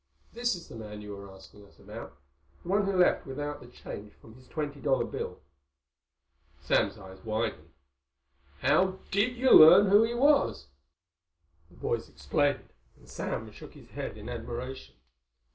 "This is the man you were asking us about—the one who left without the change from his twenty dollar bill." Sam's eyes widened. "How did you learn who he was?" The boys explained, and Sam shook his head in admiration.